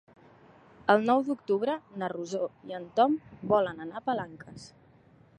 El nou d'octubre na Rosó i en Tom volen anar a Palanques.